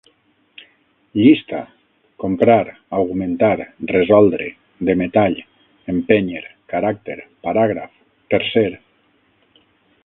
Llista: comprar, augmentar, resoldre, de metall, empènyer, caràcter, paràgraf, tercer